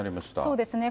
そうですね。